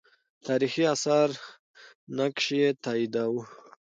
تاریخي آثار نقش یې تاییداوه.